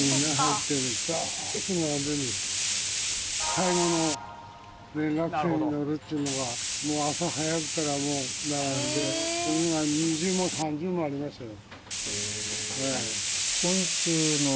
最後の連絡船に乗るっていうのがもう朝早くからもう並んでそれが２周も３周もありましたよ。